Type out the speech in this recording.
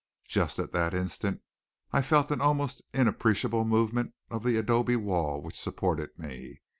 Just at that instant I felt an almost inappreciable movement of the adobe wall which supported me.